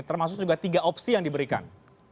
termasuk juga tiga opsi yang diberikan